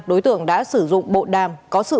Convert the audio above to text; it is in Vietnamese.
đối tượng đã sử dụng bộ đàm có sự